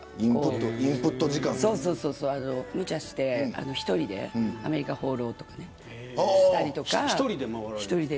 むちゃして１人でアメリカ放浪とかね。